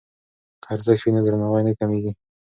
که ارزښت وي نو درناوی نه کمېږي.